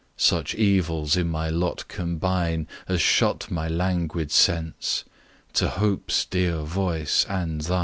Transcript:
such evils in my lot combine, As shut my languid sense to Hope's dear voice and thine!